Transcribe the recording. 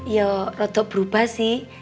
ya rada berubah sih